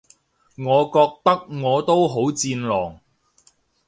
我覺得我都好戰狼